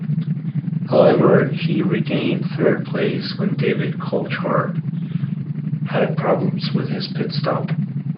However, he regained third place when David Coulthard had problems with his pitstop.